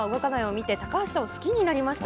見て高橋さんを好きになりました。